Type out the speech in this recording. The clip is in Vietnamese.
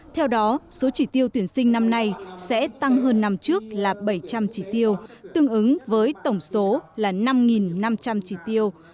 theo đó số chỉ tiêu tuyển sinh năm nay sẽ tăng hơn năm trước là bảy trăm linh chỉ tiêu tương ứng với tổng số là năm năm trăm linh chỉ tiêu